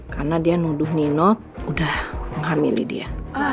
karena dia nuduh nino udah menghamili dia